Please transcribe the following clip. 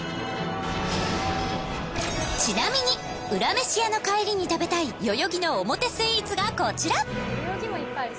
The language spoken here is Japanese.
ちなみにウラ飯屋の帰りに食べたい代々木のオモテスイーツがこちら。